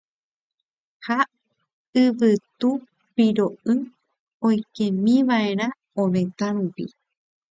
Ha yvytu piro'y oikémiva'erã ovetã rupi.